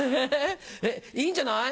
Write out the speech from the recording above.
えいいんじゃない。